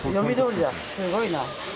すごいな。